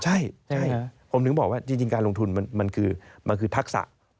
ใช่ผมถึงบอกว่าจริงการลงทุนมันคือมันคือทักษะ